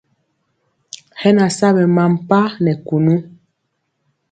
Hɛ na sa ɓɛ mampa nɛ kunu.